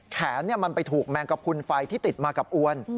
แขนมันไปถูกแมงกระพุนไฟที่ติดมากับอวน